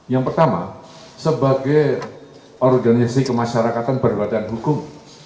yang pertama sebagai organisasi kemasyarakatan berbadan hukum